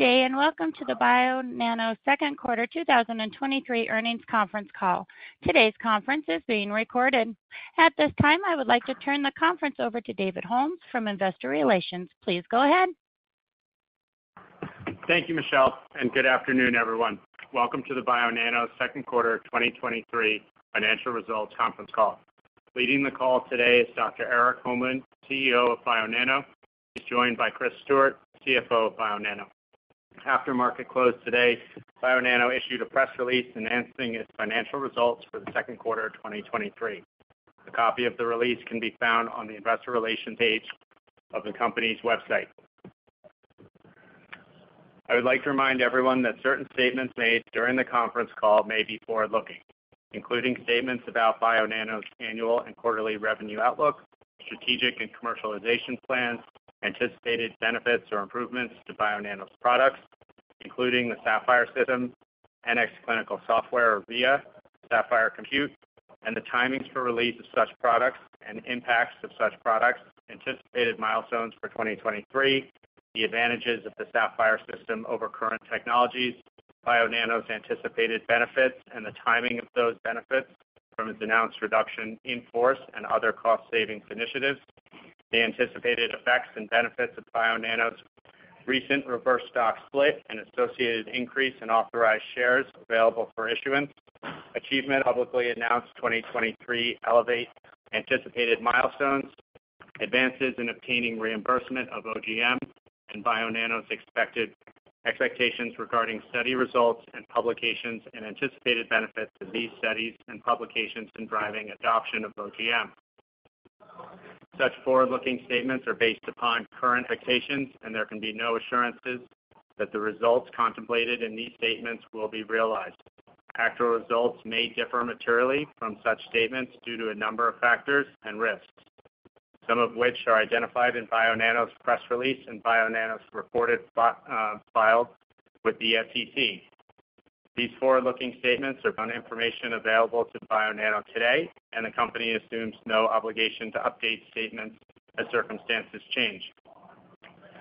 Good day, welcome to the Bionano Second Quarter 2023 Earnings Conference Call. Today's conference is being recorded. At this time, I would like to turn the conference over to David Holmes from Investor Relations. Please go ahead. Thank you, Michelle, and good afternoon, everyone. Welcome to the Bionano second quarter 2023 financial results conference call. Leading the call today is Dr. Erik Holmlin, CEO of Bionano. He's joined by Chris Stewart, CFO of Bionano. After market close today, Bionano issued a press release announcing its financial results for the second quarter of 2023. A copy of the release can be found on the investor relations page of the company's website. I would like to remind everyone that certain statements made during the conference call may be forward-looking, including statements about Bionano's annual and quarterly revenue outlook, strategic and commercialization plans, anticipated benefits or improvements to Bionano's products, including the Saphyr System, NxClinical Software, VIA, Saphyr Compute, and the timings for release of such products and impacts of such products, anticipated milestones for 2023, the advantages of the Saphyr System over current technologies, Bionano's anticipated benefits and the timing of those benefits from its announced reduction in force and other cost savings initiatives, the anticipated effects and benefits of Bionano's recent reverse stock split and associated increase in authorized shares available for issuance, achievement publicly announced 2023 ELEVATE anticipated milestones, advances in obtaining reimbursement of OGM and Bionano's expected expectations regarding study results and publications, and anticipated benefits of these studies and publications in driving adoption of OGM. Such forward-looking statements are based upon current expectations, and there can be no assurances that the results contemplated in these statements will be realized. Actual results may differ materially from such statements due to a number of factors and risks, some of which are identified in Bionano's press release and Bionano's reported filed with the SEC. These forward-looking statements are on information available to Bionano today, and the company assumes no obligation to update statements as circumstances change.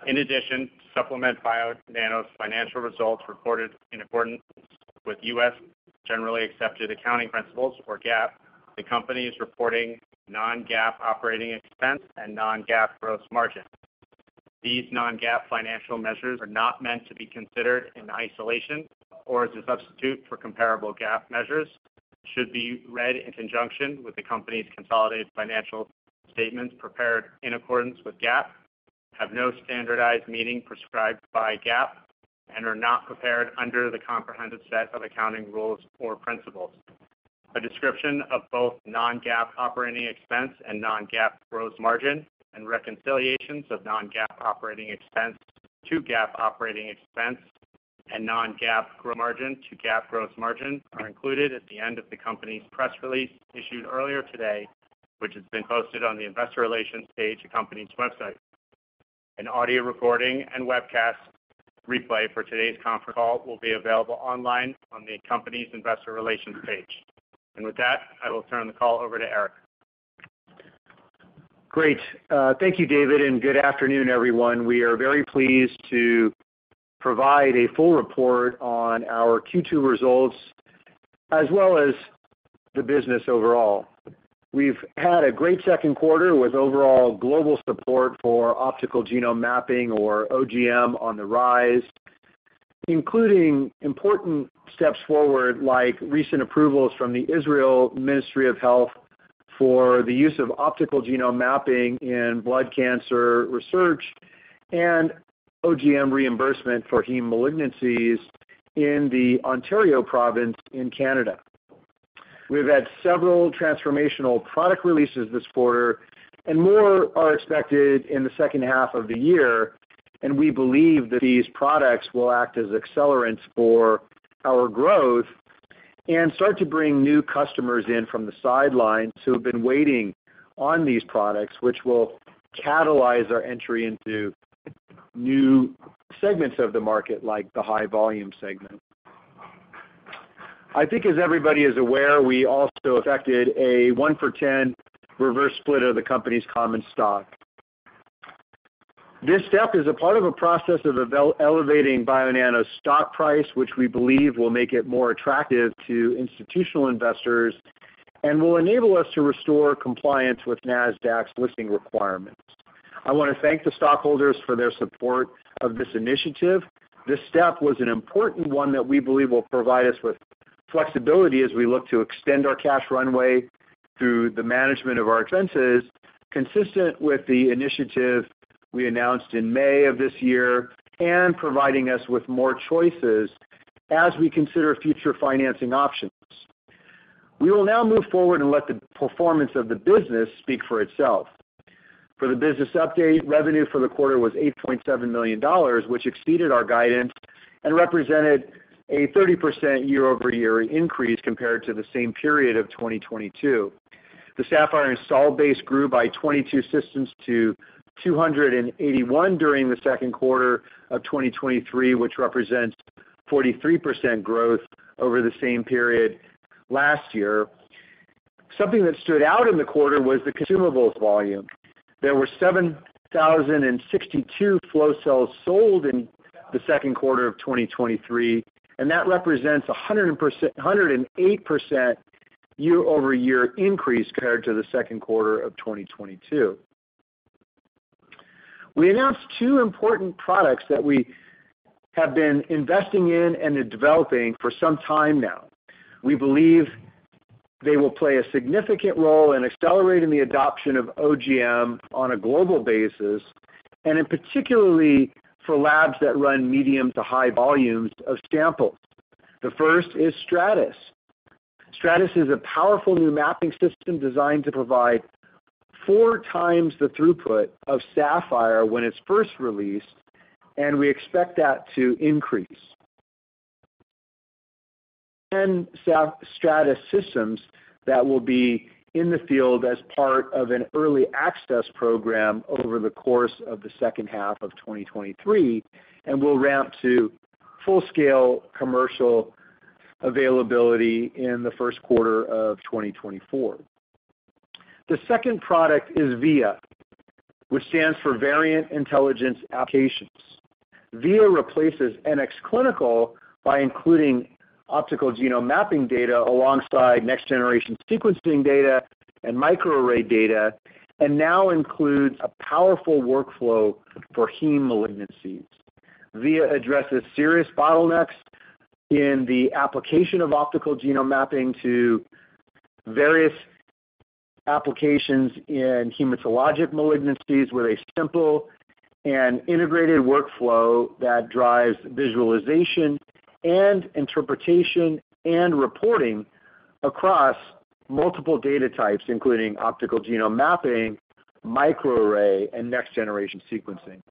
In addition, to supplement Bionano's financial results reported in accordance with U.S. generally accepted accounting principles, or GAAP, the company is reporting non-GAAP operating expense and non-GAAP gross margin. These non-GAAP financial measures are not meant to be considered in isolation or as a substitute for comparable GAAP measures, should be read in conjunction with the company's consolidated financial statements prepared in accordance with GAAP, have no standardized meaning prescribed by GAAP, and are not prepared under the comprehensive set of accounting rules or principles. A description of both non-GAAP operating expense and non-GAAP gross margin and reconciliations of non-GAAP operating expense to GAAP operating expense and non-GAAP gross margin to GAAP gross margin are included at the end of the company's press release issued earlier today, which has been posted on the investor relations page, the company's website. An audio recording and webcast replay for today's conference call will be available online on the company's investor relations page. With that, I will turn the call over to Erik. Great. Thank you, David, and good afternoon, everyone. We are very pleased to provide a full report on our Q2 results, as well as the business overall. We've had a great second quarter with overall global support for optical genome mapping, or OGM, on the rise, including important steps forward, like recent approvals from the Israel Ministry of Health for the use of optical genome mapping in blood cancer research and OGM reimbursement for heme malignancies in the Ontario province in Canada. We've had several transformational product releases this quarter, and more are expected in the second half of the year, and we believe that these products will act as accelerants for our growth and start to bring new customers in from the sidelines who have been waiting on these products, which will catalyze our entry into new segments of the market, like the high-volume segment. I think as everybody is aware, we also affected a 1-for-10 reverse split of the company's common stock. This step is a part of a process of elevating Bionano's stock price, which we believe will make it more attractive to institutional investors and will enable us to restore compliance with NASDAQ's listing requirements. I want to thank the stockholders for their support of this initiative. This step was an important one that we believe will provide us with flexibility as we look to extend our cash runway through the management of our expenses, consistent with the initiative we announced in May of this year, and providing us with more choices as we consider future financing options. We will now move forward and let the performance of the business speak for itself. For the business update, revenue for the quarter was $8.7 million, which exceeded our guidance and represented a 30% year-over-year increase compared to the same period of 2022. The Saphyr install base grew by 22 systems to 281 during the second quarter of 2023, which represents 43% growth over the same period last year. Something that stood out in the quarter was the consumables volume. There were 7,062 flow cells sold in the second quarter of 2023, and that represents a 108% year-over-year increase compared to the second quarter of 2022. We announced two important products that we have been investing in and developing for some time now. We believe they will play a significant role in accelerating the adoption of OGM on a global basis, and in particularly, for labs that run medium to high volumes of samples. The first is Stratys. Stratys is a powerful new mapping system designed to provide four times the throughput of Saphyr when it's first released, and we expect that to increase. Stratys Systems that will be in the field as part of an early access program over the course of the second half of 2023, and will ramp to full-scale commercial availability in the first quarter of 2024. The second product is VIA, which stands for Variant Intelligence Applications. VIA replaces NxClinical by including optical genome mapping data alongside next-generation sequencing data and microarray data, and now includes a powerful workflow for heme malignancies. VIA addresses serious bottlenecks in the application of optical genome mapping to various applications in hematologic malignancies, with a simple and integrated workflow that drives visualization, and interpretation, and reporting across multiple data types, including optical genome mapping, microarray, and next-generation sequencing.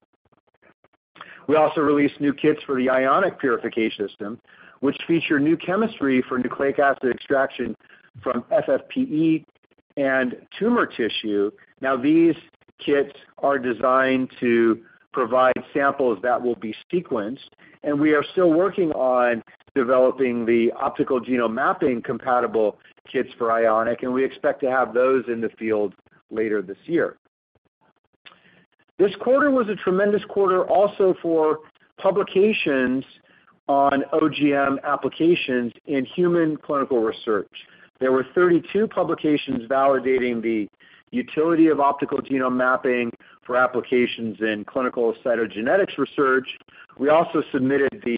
We also released new kits for the Ionic Purification System, which feature new chemistry for nucleic acid extraction from FFPE and tumor tissue. Now, these kits are designed to provide samples that will be sequenced, and we are still working on developing the optical genome mapping-compatible kits for Ionic, and we expect to have those in the field later this year. This quarter was a tremendous quarter also for publications on OGM applications in human clinical research. There were 32 publications validating the utility of optical genome mapping for applications in clinical cytogenetics research. We also submitted the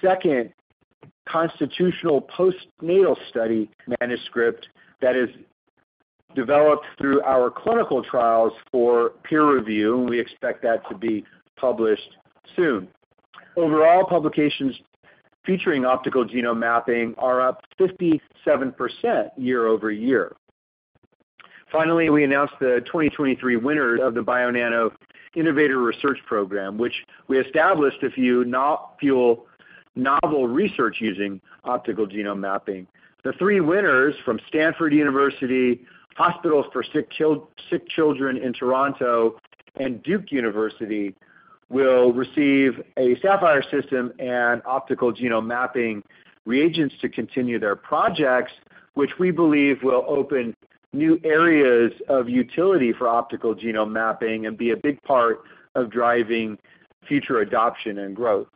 second constitutional postnatal study manuscript that is developed through our clinical trials for peer review, we expect that to be published soon. Overall, publications featuring optical genome mapping are up 57% year-over-year. Finally, we announced the 2023 winners of the Bionano Innovator Research Program, which we established a few, not fuel, novel research using optical genome mapping. The three winners from Stanford University, Hospital for Sick Children in Toronto, and Duke University, will receive a Saphyr System and optical genome mapping reagents to continue their projects, which we believe will open new areas of utility for optical genome mapping and be a big part of driving future adoption and growth.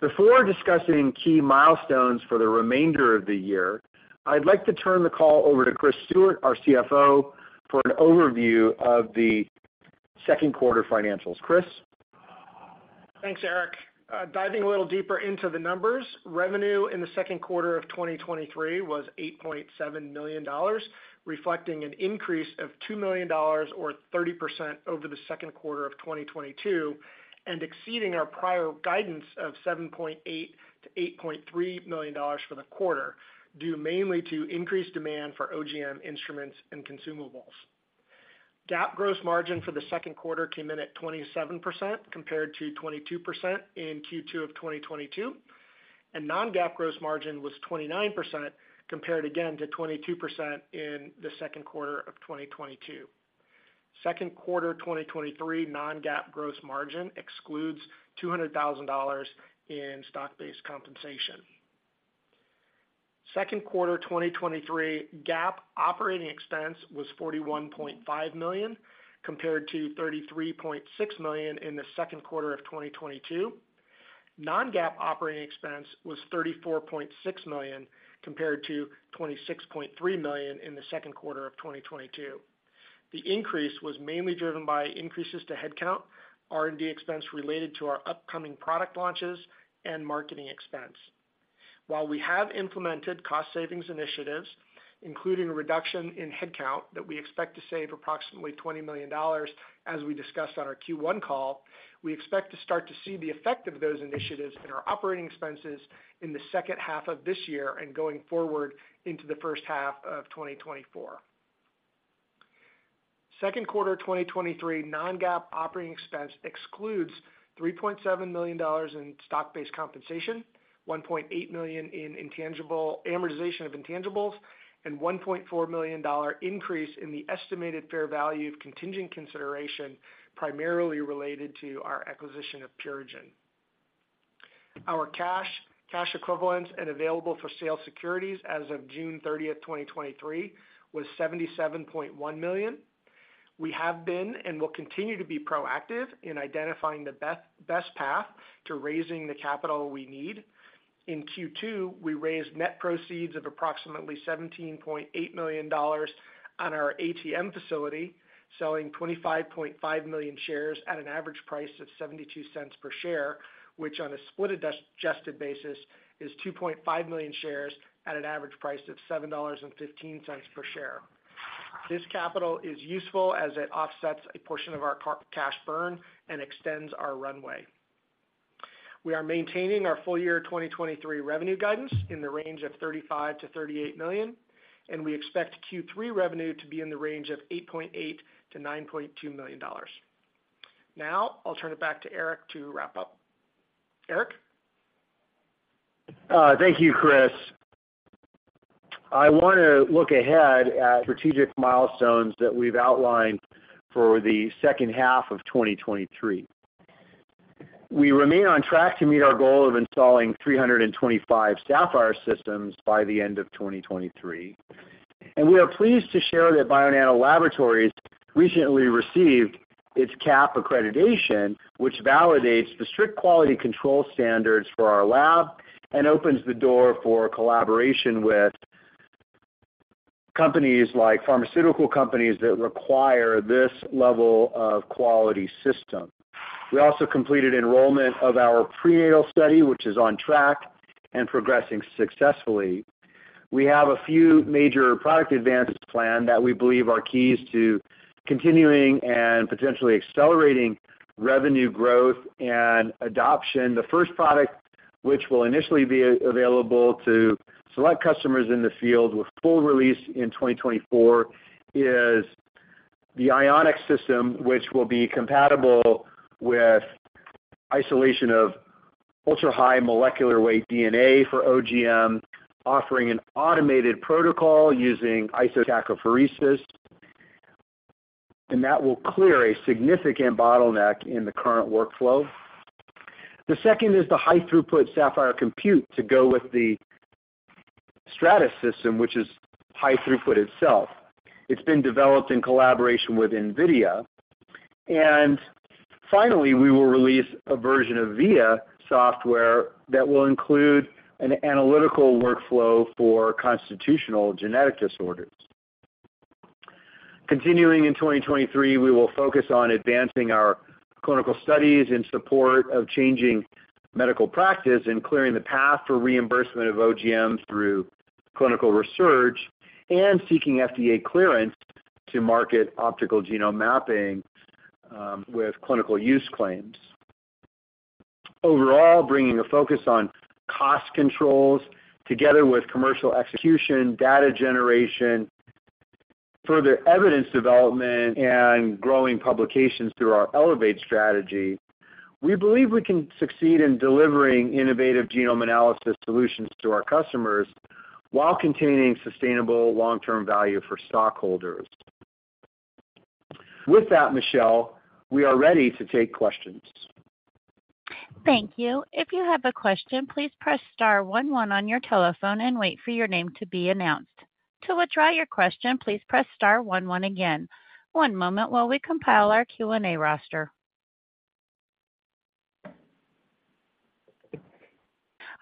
Before discussing key milestones for the remainder of the year, I'd like to turn the call over to Chris Stewart, our CFO, for an overview of the second quarter financials. Chris? Thanks, Erik. Diving a little deeper into the numbers, revenue in the second quarter of 2023 was $8.7 million, reflecting an increase of $2 million or 30% over the second quarter of 2022, exceeding our prior guidance of $7.8 million-$8.3 million for the quarter, due mainly to increased demand for OGM instruments and consumables. GAAP gross margin for the second quarter came in at 27%, compared to 22% in Q2 of 2022. Non-GAAP gross margin was 29%, compared again to 22% in the second quarter of 2022. Second quarter 2023 non-GAAP gross margin excludes $200,000 in stock-based compensation. Second quarter 2023 GAAP operating expense was $41.5 million, compared to $33.6 million in the second quarter of 2022. Non-GAAP operating expense was $34.6 million, compared to $26.3 million in the second quarter of 2022. The increase was mainly driven by increases to headcount, R&D expense related to our upcoming product launches, and marketing expense. While we have implemented cost savings initiatives, including a reduction in headcount, that we expect to save approximately $20 million, as we discussed on our Q1 call, we expect to start to see the effect of those initiatives in our operating expenses in the second half of this year and going forward into the first half of 2024. Second quarter 2023 non-GAAP operating expense excludes $3.7 million in stock-based compensation, $1.8 million in amortization of intangibles, and $1.4 million increase in the estimated fair value of contingent consideration, primarily related to our acquisition of Purigen. Our cash, cash equivalents, and available-for-sale securities as of June 30, 2023, was $77.1 million. We have been and will continue to be proactive in identifying the best path to raising the capital we need. In Q2, we raised net proceeds of approximately $17.8 million on our ATM facility, selling 25.5 million shares at an average price of $0.72 per share, which on a split-adjusted basis, is 2.5 million shares at an average price of $7.15 per share. This capital is useful as it offsets a portion of our cash burn and extends our runway. We are maintaining our full year 2023 revenue guidance in the range of $35 million-$38 million, and we expect Q3 revenue to be in the range of $8.8 million-$9.2 million. Now, I'll turn it back to Erik to wrap up. Erik? Thank you, Chris. I want to look ahead at strategic milestones that we've outlined for the second half of 2023. We remain on track to meet our goal of installing 325 Saphyr Systems by the end of 2023, and we are pleased to share that Bionano Laboratories recently received its CAP accreditation, which validates the strict quality control standards for our lab and opens the door for collaboration with companies like pharmaceutical companies that require this level of quality system. We also completed enrollment of our prenatal study, which is on track and progressing successfully. We have a few major product advances planned that we believe are keys to continuing and potentially accelerating revenue growth and adoption. The first product, which will initially be available to select customers in the field, with full release in 2024, is the Ionic System, which will be compatible with isolation of ultra-high molecular weight DNA for OGM, offering an automated protocol using isotachophoresis, and that will clear a significant bottleneck in the current workflow. The second is the high-throughput Saphyr Compute to go with the Stratys System, which is high throughput itself. It's been developed in collaboration with NVIDIA. Finally, we will release a version of VIA Software that will include an analytical workflow for constitutional genetic disorders. Continuing in 2023, we will focus on advancing our clinical studies in support of changing medical practice and clearing the path for reimbursement of OGMs through clinical research and seeking FDA clearance to market optical genome mapping with clinical use claims. Overall, bringing a focus on cost controls together with commercial execution, data generation, further evidence development, and growing publications through our ELEVATE strategy, we believe we can succeed in delivering innovative genome analysis solutions to our customers while continuing sustainable long-term value for stockholders. With that, Michelle, we are ready to take questions. Thank you. If you have a question, please press star one, one on your telephone and wait for your name to be announced. To withdraw your question, please press star one, one again. One moment while we compile our Q&A roster.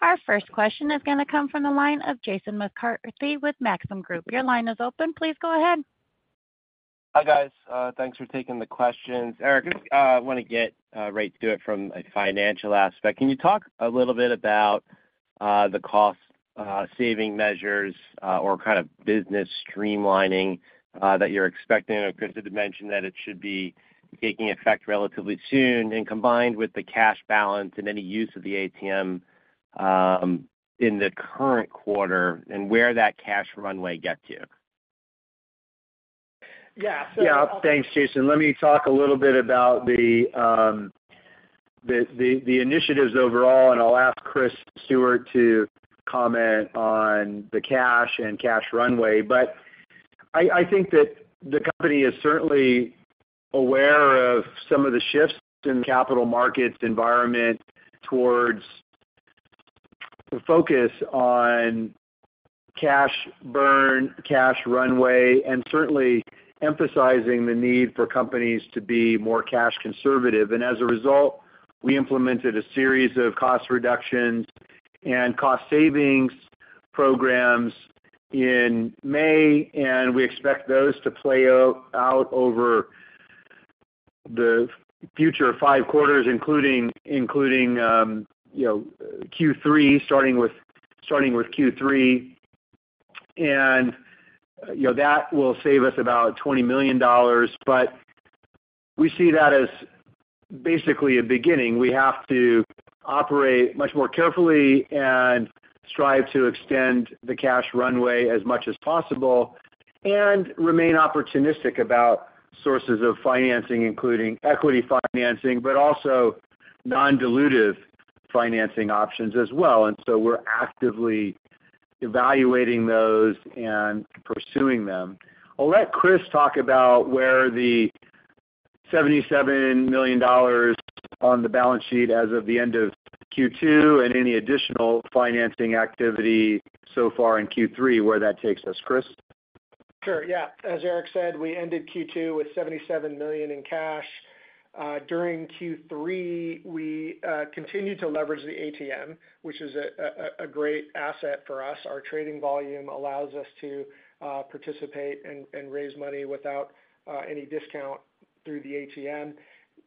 Our first question is going to come from the line of Jason McCarthy with Maxim Group. Your line is open. Please go ahead. Hi, guys, thanks for taking the questions. Erik, I want to get right to it from a financial aspect. Can you talk a little bit about the cost saving measures or kind of business streamlining that you're expecting? Chris did mention that it should be taking effect relatively soon, and combined with the cash balance and any use of the ATM in the current quarter, and where that cash runway get to? Yeah. Yeah. Thanks, Jason. Let me talk a little bit about the initiatives overall, and I'll ask Chris Stewart to comment on the cash and cash runway. I, I think that the company is certainly aware of some of the shifts in capital markets environment towards the focus on cash burn, cash runway, and certainly emphasizing the need for companies to be more cash conservative. As a result, we implemented a series of cost reductions and cost savings programs in May, and we expect those to play out over the future five quarters, including, you know, Q3, starting with Q3, and, you know, that will save us about $20 million. We see that as basically a beginning. We have to operate much more carefully and strive to extend the cash runway as much as possible and remain opportunistic about sources of financing, including equity financing, but also non-dilutive financing options as well, and so we're actively evaluating those and pursuing them. I'll let Chris talk about where the $77 million on the balance sheet as of the end of Q2, and any additional financing activity so far in Q3, where that takes us. Chris? Sure. Yeah. As Erik said, we ended Q2 with $77 million in cash. During Q3, we continued to leverage the ATM, which is a great asset for us. Our trading volume allows us to participate and raise money without any discount through the ATM.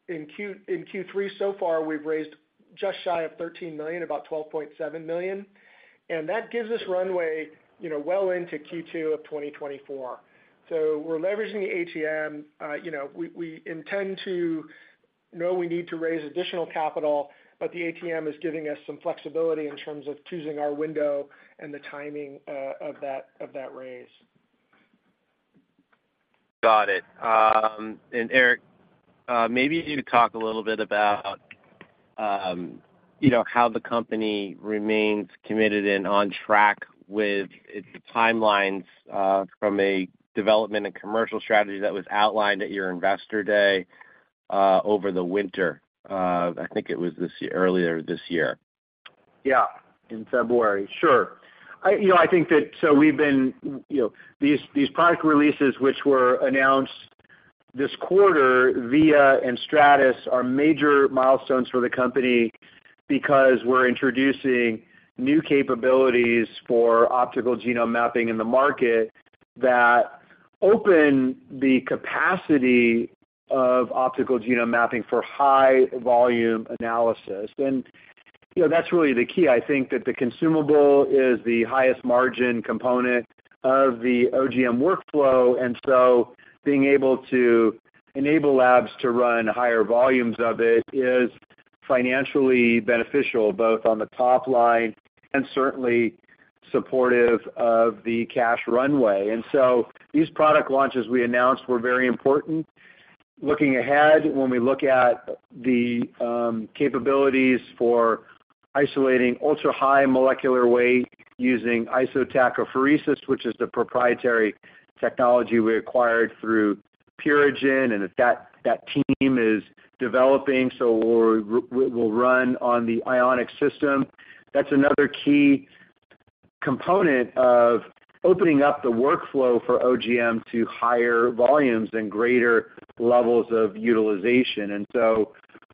In Q3, so far, we've raised just shy of $13 million, about $12.7 million, and that gives us runway, you know, well into Q2 of 2024. So we're leveraging the ATM. You know, we intend to know we need to raise additional capital, but the ATM is giving us some flexibility in terms of choosing our window and the timing of that, of that raise. Got it. Erik, maybe you could talk a little bit about, you know, how the company remains committed and on track with its timelines from a development and commercial strategy that was outlined at your Investor Day over the winter. I think it was this year, earlier this year. Yeah, in February. Sure. I, you know, I think that so we've been, you know, these, these product releases, which were announced this quarter, VIA and Stratys, are major milestones for the company because we're introducing new capabilities for optical genome mapping in the market, that open the capacity of optical genome mapping for high volume analysis. You know, that's really the key, I think, that the consumable is the highest margin component of the OGM workflow. Being able to enable labs to run higher volumes of it is financially beneficial, both on the top line and certainly supportive of the cash runway. These product launches we announced were very important. Looking ahead, when we look at the capabilities for isolating ultra-high molecular weight using isotachophoresis, which is the proprietary technology we acquired through Purigen, and that team is developing, so we'll run on the Ionic System. That's another key component of opening up the workflow for OGM to higher volumes and greater levels of utilization.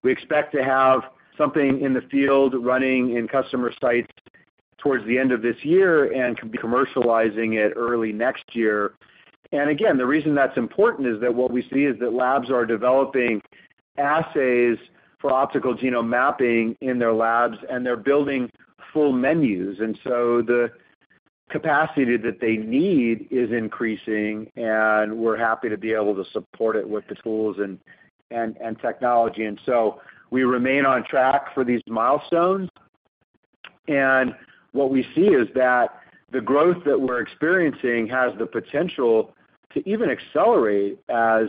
We expect to have something in the field running in customer sites towards the end of this year and could be commercializing it early next year. Again, the reason that's important is that what we see is that labs are developing assays for optical genome mapping in their labs, and they're building full menus. The capacity that they need is increasing, and we're happy to be able to support it with the tools and technology. We remain on track for these milestones. What we see is that the growth that we're experiencing has the potential to even accelerate as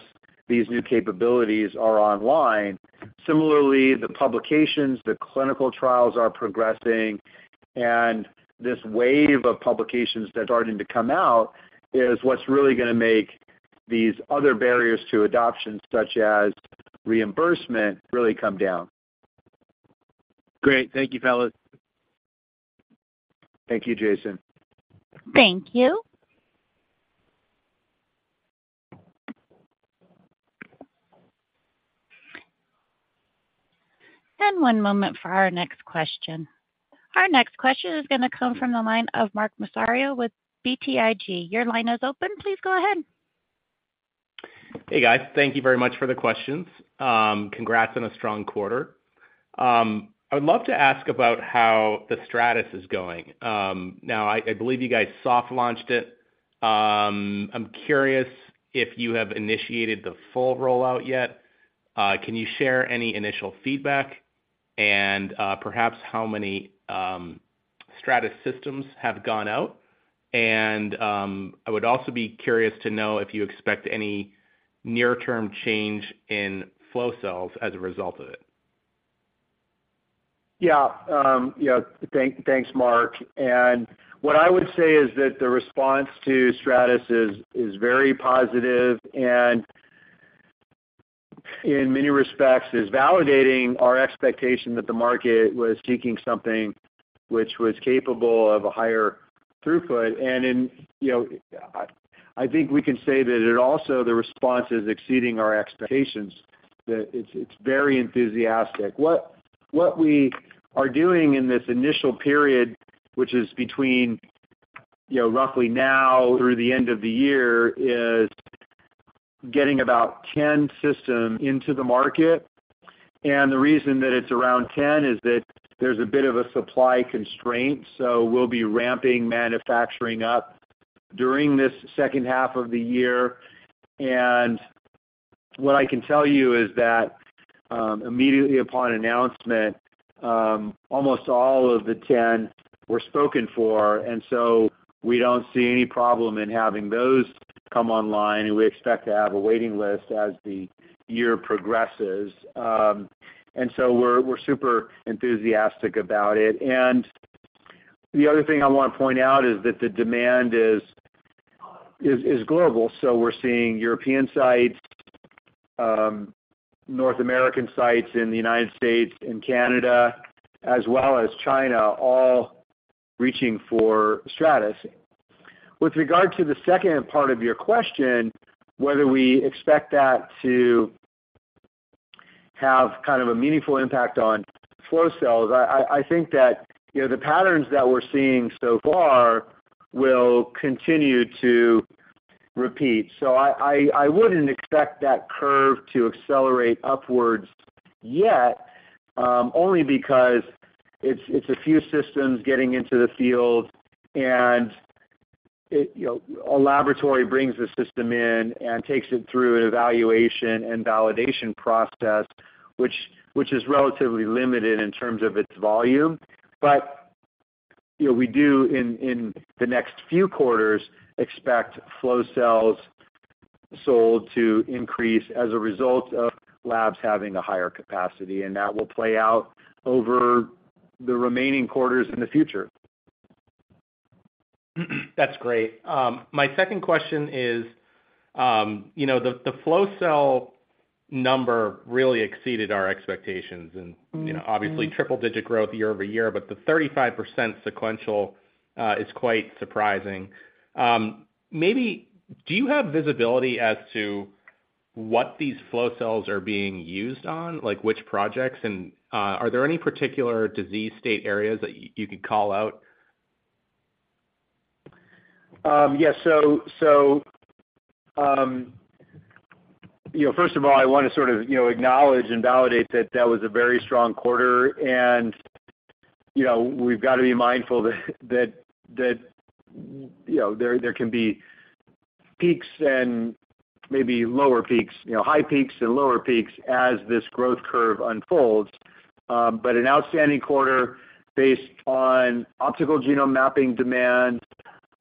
these new capabilities are online. Similarly, the publications, the clinical trials are progressing, and this wave of publications that are starting to come out is what's really going to make these other barriers to adoption, such as reimbursement, really come down. Great. Thank you, fellas. Thank you, Jason. Thank you. One moment for our next question. Our next question is going to come from the line of Mark Massaro with BTIG. Your line is open. Please go ahead. Hey, guys. Thank you very much for the questions. Congrats on a strong quarter. I would love to ask about how the Stratys is going. Now, I, I believe you guys soft launched it. I'm curious if you have initiated the full rollout yet. Can you share any initial feedback and perhaps how many Stratys Systems have gone out? I would also be curious to know if you expect any near-term change in flow cells as a result of it. Yeah. Yeah, thank, thanks, Mark. What I would say is that the response to Stratys is, is very positive and in many respects, is validating our expectation that the market was seeking something which was capable of a higher throughput. In, you know, I think we can say that it also, the response is exceeding our expectations, that it's, it's very enthusiastic. What, what we are doing in this initial period, which is between, you know, roughly now through the end of the year, is getting about 10 systems into the market. The reason that it's around 10 is that there's a bit of a supply constraint, so we'll be ramping manufacturing up during this second half of the year. What I can tell you is that, immediately upon announcement, almost all of the 10 were spoken for, and so we don't see any problem in having those come online, and we expect to have a waiting list as the year progresses. We're super enthusiastic about it. The other thing I want to point out is that the demand is global. We're seeing European sites, North American sites in the United States and Canada, as well as China, all reaching for Stratys. With regard to the second part of your question, whether we expect that to have kind of a meaningful impact on flow cells, I think that, you know, the patterns that we're seeing so far will continue to repeat. I, I, I wouldn't expect that curve to accelerate upwards yet, only because it's, it's a few systems getting into the field, and it, you know, a laboratory brings the system in and takes it through an evaluation and validation process, which, which is relatively limited in terms of its volume. You know, we do, in, in the next few quarters, expect flow cells sold to increase as a result of labs having a higher capacity, and that will play out over the remaining quarters in the future. That's great. My second question is, you know, the, the flow cell number really exceeded our expectations and... Mm-hmm. you know, obviously triple-digit growth year-over-year, but the 35% sequential, is quite surprising. Maybe do you have visibility as to what these flow cells are being used on? Like, which projects, and, are there any particular disease state areas that you, you could call out? Yes. So, so, you know, first of all, I want to sort of, you know, acknowledge and validate that that was a very strong quarter, and, you know, we've got to be mindful that that, that, you know, there, there can be peaks and maybe lower peaks, you know, high peaks and lower peaks as this growth curve unfolds. An outstanding quarter based on optical genome mapping demand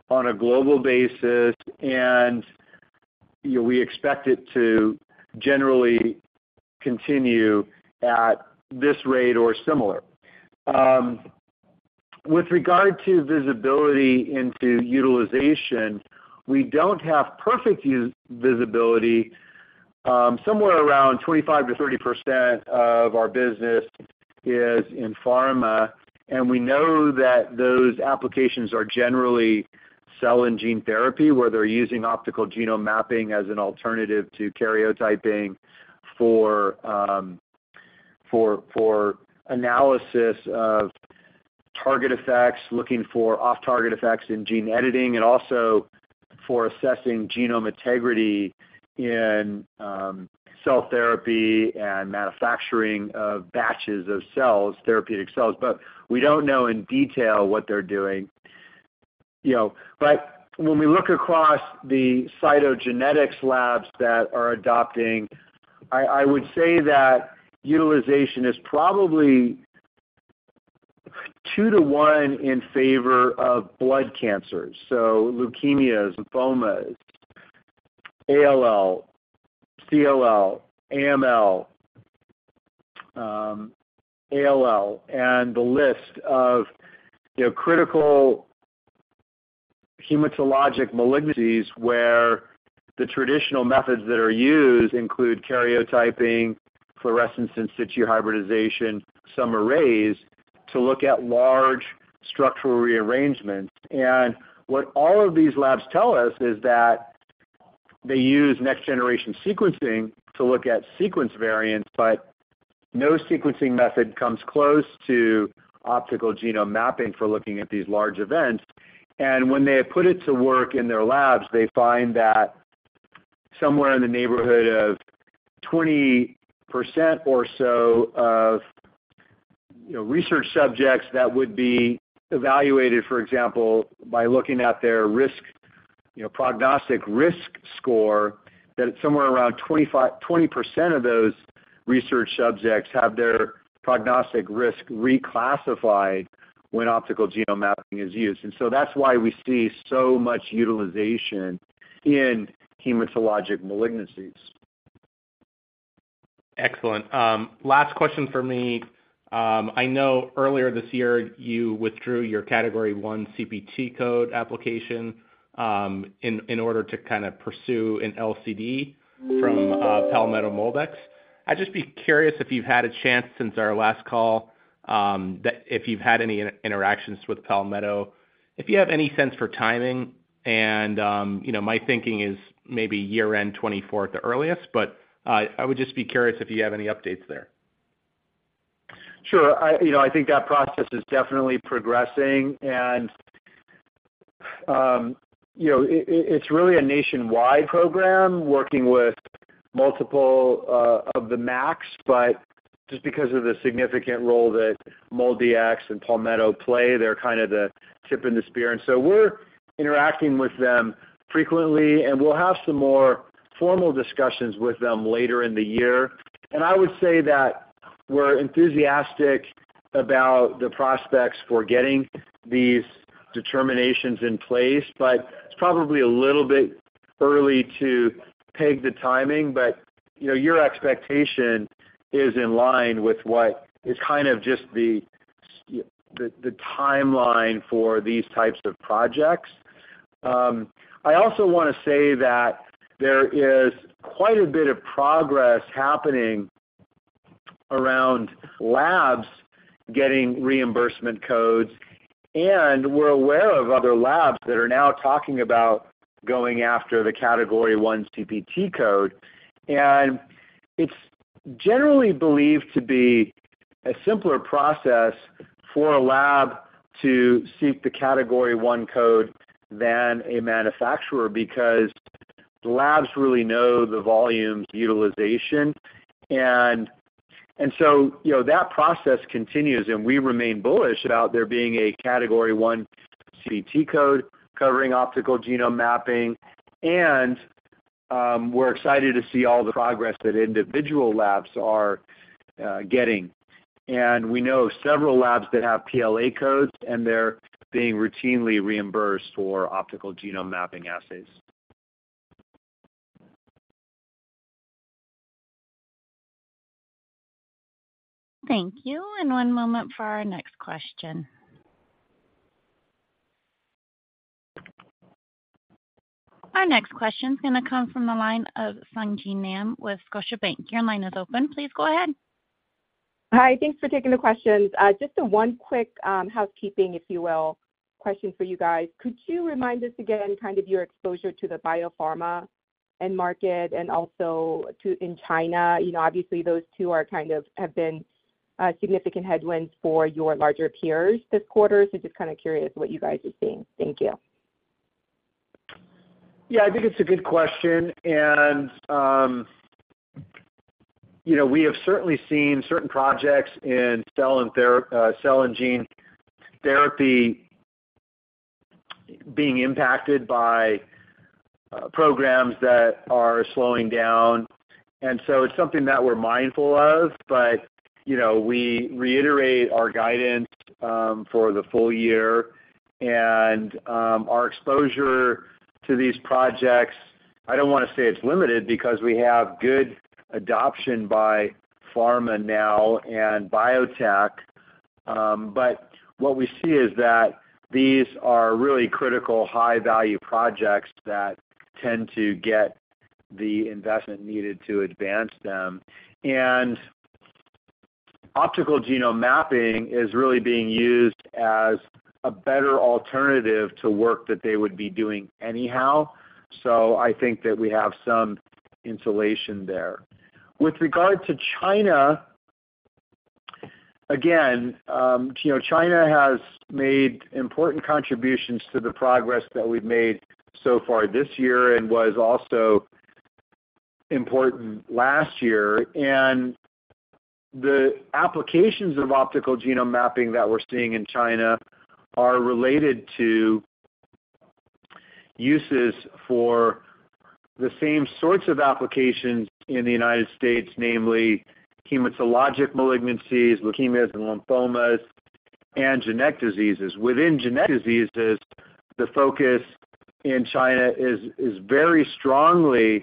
on a global basis, and, you know, we expect it to generally continue at this rate or similar. With regard to visibility into utilization, we don't have perfect visibility. Somewhere around 25%-30% of our business is in pharma, and we know that those applications are generally cell and gene therapy, where they're using optical genome mapping as an alternative to karyotyping for, for analysis of target effects, looking for off-target effects in gene editing, and also for assessing genome integrity in cell therapy and manufacturing of batches of cells, therapeutic cells. We don't know in detail what they're doing, you know. When we look across the cytogenetics labs that are adopting, I, I would say that utilization is probably 2 to 1 in favor of blood cancers, so leukemias, lymphomas, ALL, CLL, AML, ALL, and the list of, you know, critical hematologic malignancies, where the traditional methods that are used include karyotyping, fluorescence in situ hybridization, some arrays to look at large structural rearrangements. What all of these labs tell us is that they use next-generation sequencing to look at sequence variants, but no sequencing method comes close to optical genome mapping for looking at these large events. When they put it to work in their labs, they find that somewhere in the neighborhood of 20% or so of, you know, research subjects that would be evaluated, for example, by looking at their risk, you know, prognostic risk score, that it's somewhere around 20% of those research subjects have their prognostic risk reclassified when optical genome mapping is used. So that's why we see so much utilization in hematologic malignancies. Excellent. Last question for me. I know earlier this year, you withdrew your Category I CPT code application, in order to kind of pursue an LCD from Palmetto MolDX. I'd just be curious if you've had a chance since our last call, that if you've had any interactions with Palmetto, if you have any sense for timing, and, you know, my thinking is maybe year-end 2024 at the earliest, but, I would just be curious if you have any updates there. Sure. You know, I think that process is definitely progressing, and, you know, it, it, it's really a nationwide program working with multiple of the max, but just because of the significant role that MolDX and Palmetto play, they're kind of the tip in the spear. We're interacting with them frequently, and we'll have some more formal discussions with them later in the year. I would say that we're enthusiastic about the prospects for getting determinations in place, but it's probably a little bit early to peg the timing. You know, your expectation is in line with what is kind of just the, the, the timeline for these types of projects. I also want to say that there is quite a bit of progress happening around labs getting reimbursement codes, and we're aware of other labs that are now talking about going after the Category I CPT code. It's generally believed to be a simpler process for a lab to seek the Category I code than a manufacturer, because the labs really know the volume utilization. You know, that process continues, and we remain bullish about there being a Category I CPT code covering optical genome mapping. We're excited to see all the progress that individual labs are getting. We know several labs that have PLA codes, and they're being routinely reimbursed for optical genome mapping assays. Thank you. One moment for our next question. Our next question is going to come from the line of Sung Ji Nam with Scotiabank. Your line is open. Please go ahead. Hi, thanks for taking the questions. Just one quick, housekeeping, if you will, question for you guys. Could you remind us again, kind of your exposure to the biopharma end market and also in China? You know, obviously, those two are kind of, have been, significant headwinds for your larger peers this quarter. So just kind of curious what you guys are seeing. Thank you. Yeah, I think it's a good question. You know, we have certainly seen certain projects in cell and cell and gene therapy being impacted by programs that are slowing down. It's something that we're mindful of. You know, we reiterate our guidance for the full year and our exposure to these projects, I don't want to say it's limited, because we have good adoption by pharma now and biotech. What we see is that these are really critical, high-value projects that tend to get the investment needed to advance them. Optical genome mapping is really being used as a better alternative to work that they would be doing anyhow, so I think that we have some insulation there. With regard to China, again, you know, China has made important contributions to the progress that we've made so far this year and was also important last year. The applications of optical genome mapping that we're seeing in China are related to uses for the same sorts of applications in the United States, namely hematologic malignancies, leukemias and lymphomas, and genetic diseases. Within genetic diseases, the focus in China is very strongly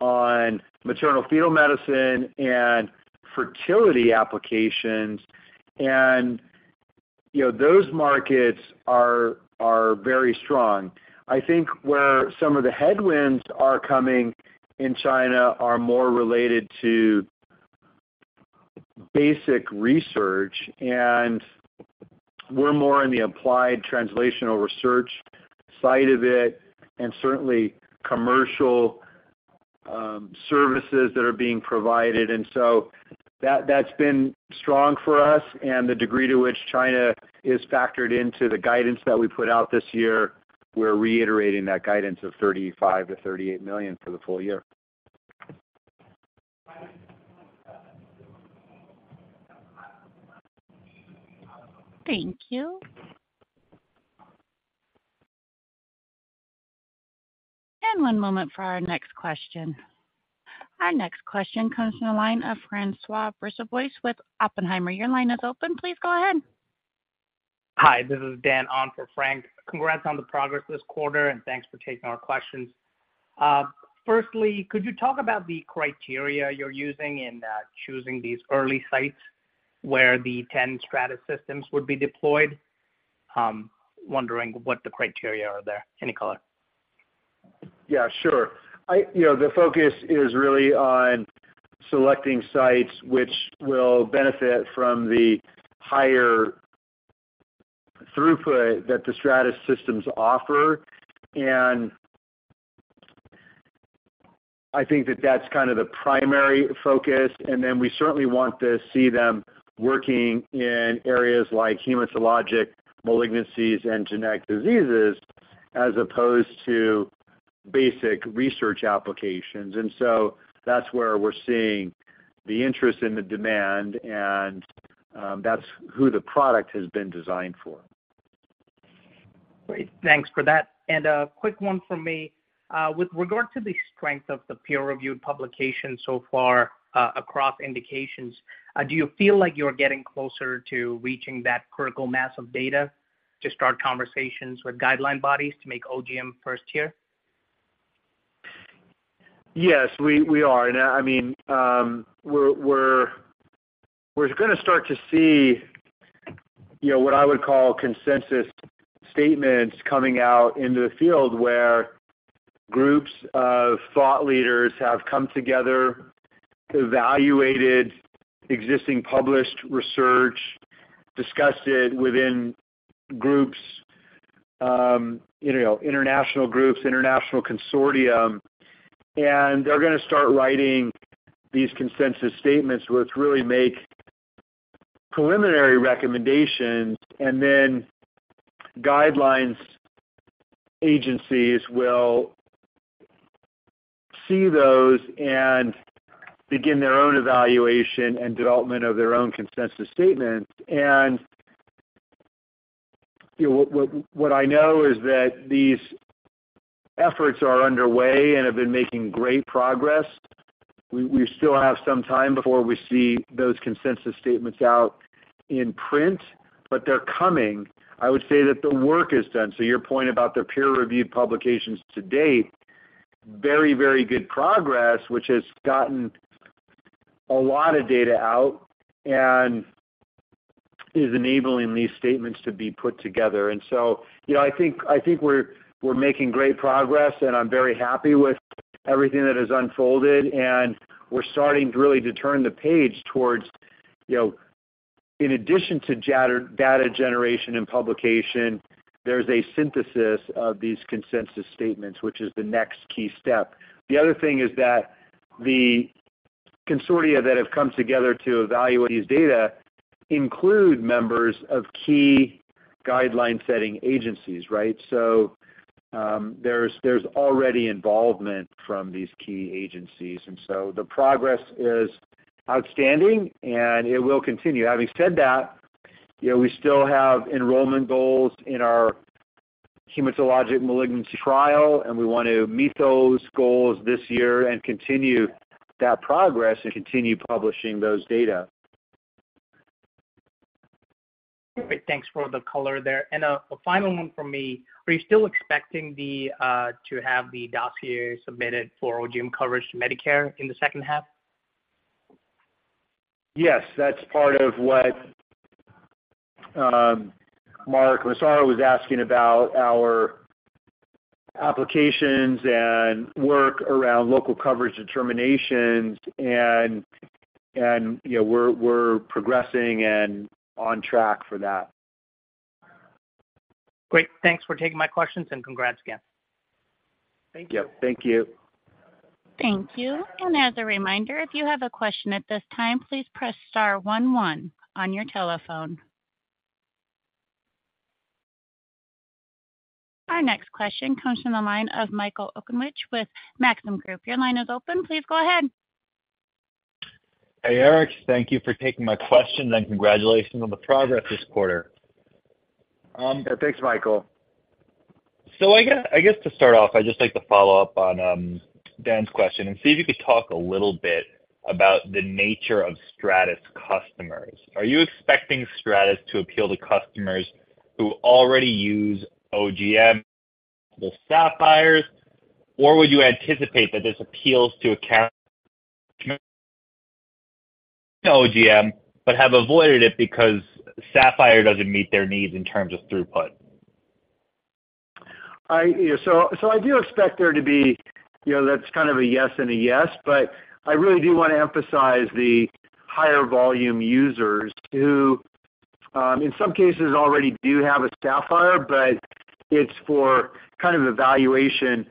on maternal-fetal medicine and fertility applications, and, you know, those markets are, are very strong. I think where some of the headwinds are coming in China are more related to basic research, and we're more in the applied translational research side of it, and certainly commercial, services that are being provided. That, that's been strong for us and the degree to which China is factored into the guidance that we put out this year, we're reiterating that guidance of $35 million-$38 million for the full year. Thank you. One moment for our next question. Our next question comes from the line of François Brisebois with Oppenheimer. Your line is open. Please go ahead. Hi, this is Dan on for François. Congrats on the progress this quarter, and thanks for taking our questions. Firstly, could you talk about the criteria you're using in choosing these early sites where the 10 Stratys systems would be deployed? Wondering what the criteria are there. Any color? Yeah, sure. You know, the focus is really on selecting sites which will benefit from the higher throughput that the Stratys Systems offer. I think that that's kind of the primary focus. Then we certainly want to see them working in areas like hematologic malignancies and genetic diseases, as opposed to basic research applications. So that's where we're seeing the interest and the demand, and that's who the product has been designed for. Great. Thanks for that. A quick one from me. With regard to the strength of the peer-reviewed publication so far, across indications, do you feel like you're getting closer to reaching that critical mass of data to start conversations with guideline bodies to make OGM first tier? Yes, we are. I mean, we're gonna start to see, you know, what I would call consensus statements coming out into the field, where groups of thought leaders have come together, evaluated existing published research, discussed it within groups, you know, international groups, international consortium, and they're gonna start writing these consensus statements, which really make preliminary recommendations, and then guidelines agencies will see those and begin their own evaluation and development of their own consensus statements. You know, what I know is that these efforts are underway and have been making great progress. We still have some time before we see those consensus statements out in print, but they're coming. I would say that the work is done. Your point about the peer-reviewed publications to date, very, very good progress, which has gotten a lot of data out and is enabling these statements to be put together. You know, I think, I think we're, we're making great progress, and I'm very happy with everything that has unfolded, and we're starting really to turn the page towards, you know, in addition to data generation and publication, there's a synthesis of these consensus statements, which is the next key step. The other thing is that the consortia that have come together to evaluate these data include members of key guideline-setting agencies, right? There's, there's already involvement from these key agencies, and so the progress is outstanding, and it will continue. Having said that, you know, we still have enrollment goals in our hematologic malignancy trial, and we want to meet those goals this year and continue that progress and continue publishing those data. Great. Thanks for the color there. A final one from me, are you still expecting the to have the dossier submitted for OGM coverage to Medicare in the second half? Yes, that's part of what Mark Massaro was asking about our applications and work around local coverage determinations and, and, you know, we're, we're progressing and on track for that. Great. Thanks for taking my questions, and congrats again. Thank you. Yep, thank you. Thank you. As a reminder, if you have a question at this time, please press star one, one on your telephone. Our next question comes from the line of Michael Okunewitch with Maxim Group. Your line is open. Please go ahead. Hey, Erik, thank you for taking my questions, and congratulations on the progress this quarter. Thanks, Michael. I guess, I guess to start off, I'd just like to follow up on Dan's question and see if you could talk a little bit about the nature of Stratys customers. Are you expecting Stratys to appeal to customers who already use OGM, the Saphyr, or would you anticipate that this appeals to account OGM, but have avoided it because Saphyr doesn't meet their needs in terms of throughput? I, so, so I do expect there to be, you know, that's kind of a yes and a yes, but I really do want to emphasize the higher volume users who, in some cases already do have a Saphyr, but it's for kind of evaluation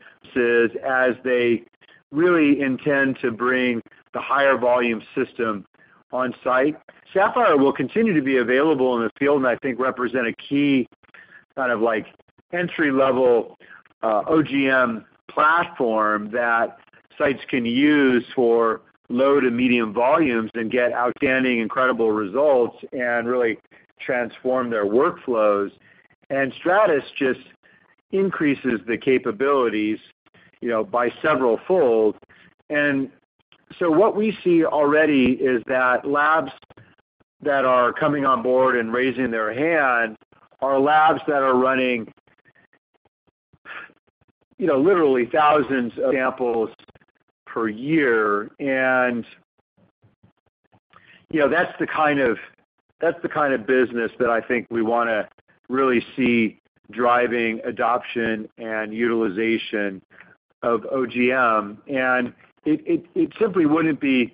as they really intend to bring the higher volume system on site. Saphyr will continue to be available in the field, I think represent a key kind of like entry-level OGM platform that sites can use for low to medium volumes and get outstanding, incredible results and really transform their workflows. Stratys just increases the capabilities, you know, by severalfold. So what we see already is that labs that are coming on board and raising their hand are labs that are running, you know, literally thousands of samples per year. You know, that's the kind of, that's the kind of business that I think we wanna really see driving adoption and utilization of OGM. It, it, it simply wouldn't be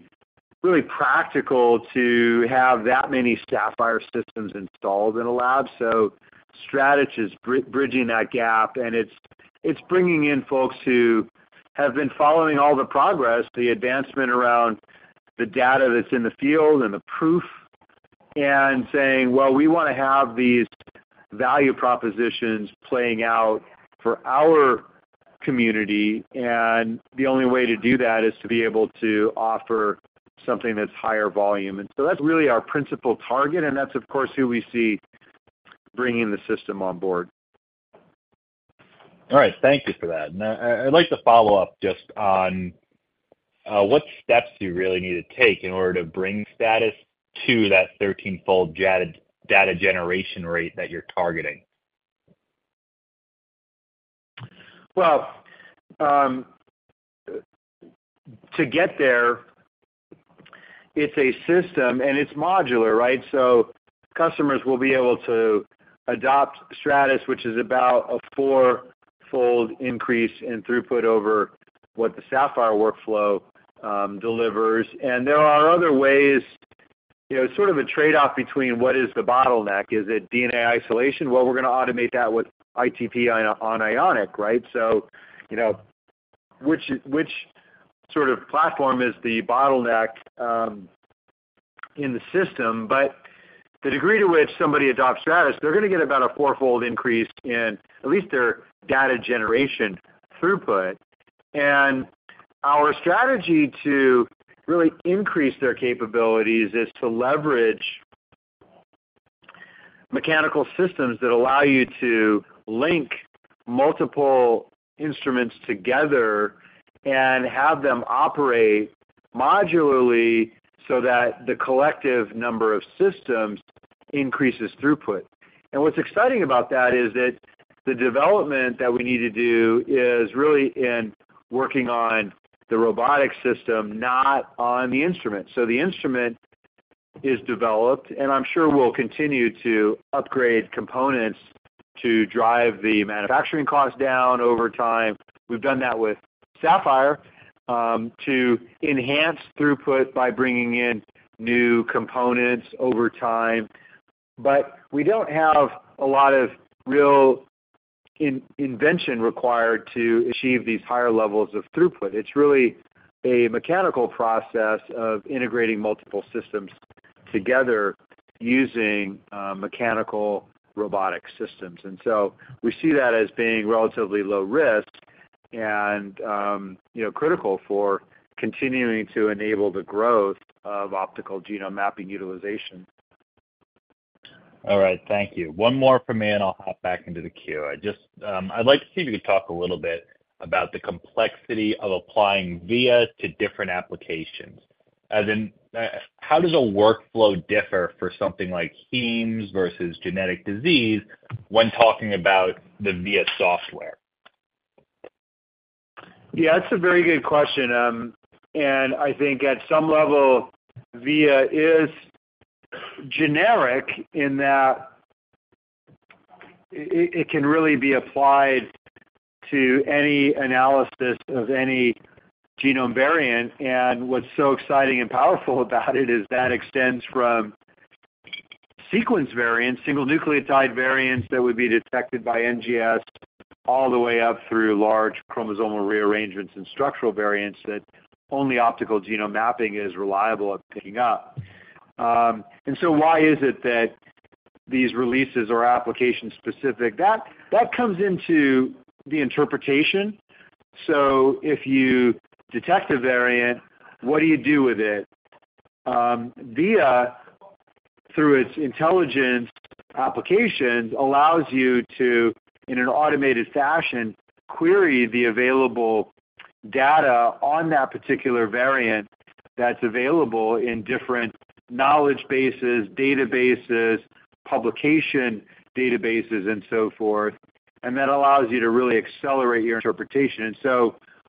really practical to have that many Saphyr Systems installed in a lab. So Stratys is bridging that gap, and it's, it's bringing in folks who have been following all the progress, the advancement around the data that's in the field and the proof, and saying, "Well, we wanna have these value propositions playing out for our community, and the only way to do that is to be able to offer something that's higher volume." So that's really our principal target, and that's, of course, who we see bringing the system on board. All right, thank you for that. Now, I'd like to follow up just on, what steps do you really need to take in order to bring Stratys to that 13-fold data generation rate that you're targeting? Well, to get there, it's a system, and it's modular, right? Customers will be able to adopt Stratys, which is about a four-fold increase in throughput over what the Saphyr workflow delivers. There are other ways, you know, sort of a trade-off between what is the bottleneck. Is it DNA isolation? Well, we're going to automate that with ITP on ionic, right? You know, which, which sort of platform is the bottleneck in the system. The degree to which somebody adopts Stratys, they're gonna get about a four-fold increase in at least their data generation throughput. Our strategy to really increase their capabilities is to leverage mechanical systems that allow you to link multiple instruments together and have them operate modularly so that the collective number of systems increases throughput. What's exciting about that is that the development that we need to do is really in working on the robotic system, not on the instrument. The instrument is developed, and I'm sure we'll continue to upgrade components to drive the manufacturing costs down over time. We've done that with Saphyr to enhance throughput by bringing in new components over time. We don't have a lot of real invention required to achieve these higher levels of throughput. It's really a mechanical process of integrating multiple systems together using mechanical robotic systems. We see that as being relatively low risk and, you know, critical for continuing to enable the growth of optical genome mapping utilization. All right, thank you. One more from me, and I'll hop back into the queue. I just, I'd like to see if you could talk a little bit about the complexity of applying VIA to different applications. As in, how does a workflow differ for something like heme versus genetic disease when talking about the VIA Software? Yeah, that's a very good question. I think at some level, VIA is generic in that it can really be applied to any analysis of any genome variant. What's so exciting and powerful about it is that extends from sequence variants, single nucleotide variants that would be detected by NGS, all the way up through large chromosomal rearrangements and structural variants that only optical genome mapping is reliable at picking up. Why is it that these releases are application-specific? That, that comes into the interpretation. If you detect a variant, what do you do with it? VIA, through its intelligence applications, allows you to, in an automated fashion, query the available data on that particular variant that's available in different knowledge bases, databases, publication databases, and so forth, and that allows you to really accelerate your interpretation.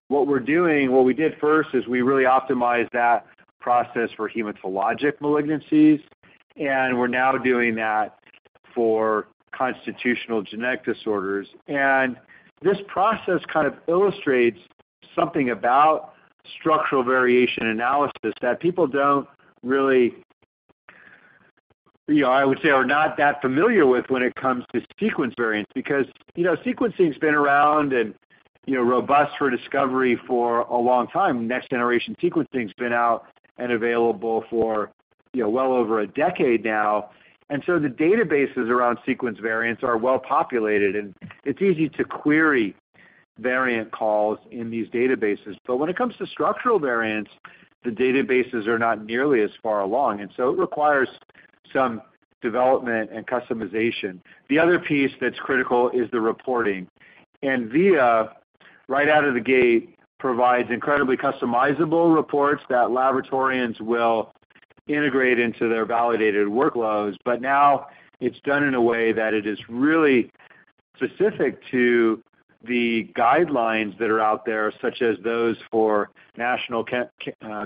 What we're doing, what we did first is we really optimized that process for hematologic malignancies, and we're now doing that for constitutional genetic disorders. This process kind of illustrates something about structural variation analysis that people don't really, you know, I would say, are not that familiar with when it comes to sequence variants. You know, sequencing's been around and, you know, robust for discovery for a long time. Next-generation sequencing's been out and available for, you know, well over a decade now. The databases around sequence variants are well populated, and it's easy to query variant calls in these databases. When it comes to structural variants, the databases are not nearly as far along, and so it requires some development and customization. The other piece that's critical is the reporting. VIA, right out of the gate, provides incredibly customizable reports that laboratorians will integrate into their validated workloads. Now it's done in a way that it is really specific to the guidelines that are out there, such as those for National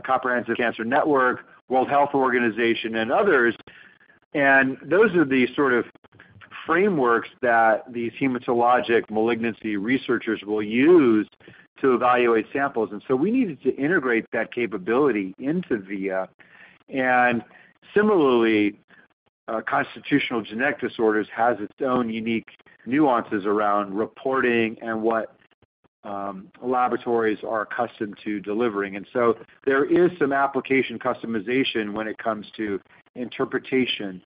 Comprehensive Cancer Network, World Health Organization, and others. Those are the sort of frameworks that these hematologic malignancy researchers will use to evaluate samples, and so we needed to integrate that capability into VIA. Similarly, constitutional genetic disorders has its own unique nuances around reporting and what laboratories are accustomed to delivering, and so there is some application customization when it comes to interpretation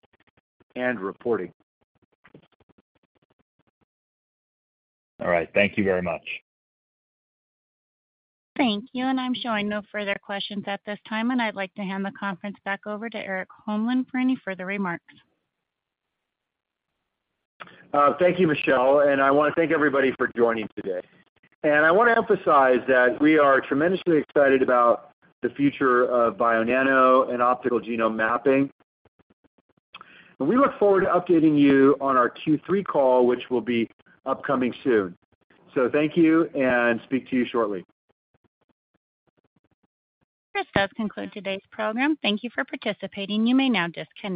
and reporting. All right. Thank you very much. Thank you, and I'm showing no further questions at this time, and I'd like to hand the conference back over to Erik Holmlin for any further remarks. Thank you, Michelle, and I want to thank everybody for joining today. I want to emphasize that we are tremendously excited about the future of Bionano and optical genome mapping, and we look forward to updating you on our Q3 call, which will be upcoming soon. Thank you, and speak to you shortly. This does conclude today's program. Thank you for participating. You may now disconnect.